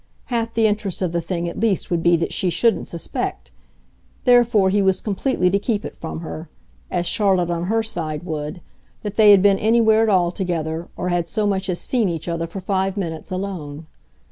Half the interest of the thing at least would be that she shouldn't suspect; therefore he was completely to keep it from her as Charlotte on her side would that they had been anywhere at all together or had so much as seen each other for five minutes alone.